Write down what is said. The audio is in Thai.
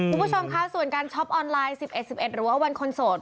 คุณผู้ชมคะส่วนการช็อปออนไลน์๑๑๑๑หรือว่าวันคนโสด